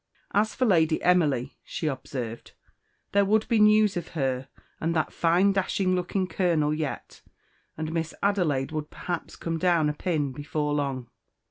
"As for Lady Emily," she observed, "there would be news of her and that fine dashing looking Colonel yet, and Miss Adelaide would perhaps come down a pin before long."